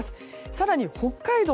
更に、北海道